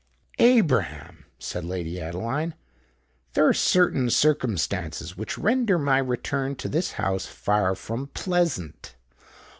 "Abraham," said Lady Adeline, "there are certain circumstances which render my return to this house far from pleasant.